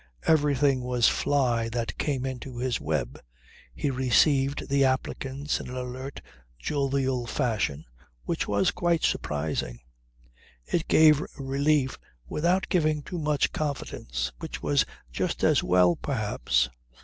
Everything was fly that came into his web. He received the applicants in an alert, jovial fashion which was quite surprising. It gave relief without giving too much confidence, which was just as well perhaps.